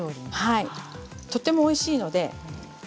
とてもおいしいので。